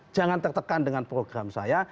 jangan tertekan dengan program saya